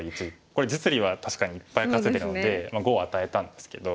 これ実利は確かにいっぱい稼いだので５を与えたんですけど。